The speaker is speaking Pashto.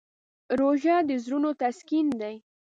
روژه د زړونو تسکین دی.